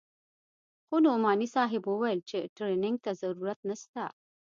خو نعماني صاحب وويل چې ټرېننگ ته ضرورت نسته.